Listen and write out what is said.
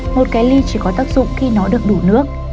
một cái ly chỉ có tác dụng khi nó được đủ nước